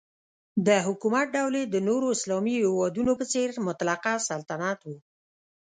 د حکومت ډول یې د نورو اسلامي هیوادونو په څېر مطلقه سلطنت و.